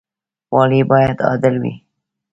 والي باید عادل وي